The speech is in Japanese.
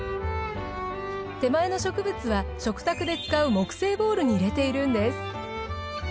手前の植物は食卓で使う木製ボウルに入れているんです。